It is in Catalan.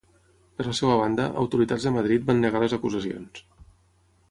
Per la seva banda, autoritats de Madrid van negar les acusacions.